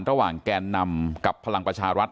ระหว่างแก่นนำกับพลังประชารัติ